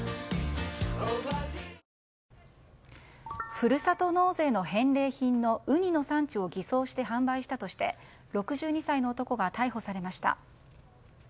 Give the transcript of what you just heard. ふるさと納税の返礼品のウニの産地を偽装して販売したとして６２歳の男が逮捕されました。